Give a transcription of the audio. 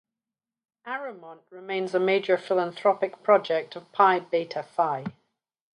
Arrowmont remains a major philanthropic project of Pi Beta Phi.